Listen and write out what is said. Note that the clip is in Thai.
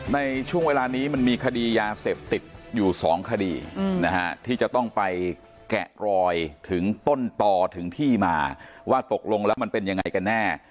ในช่วงเวลานี้มันมีคดียาเสพติดอยู่สองคดีนะฮะที่จะต้องไปแกะรอยถึงต้นต่อถึงที่มาว่าตกลงแล้วมันเป็นยังไงกันแน่